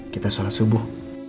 kita sholat subuh